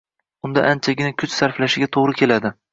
Unda anchagina kuch sarflashiga to'g'ri keladi.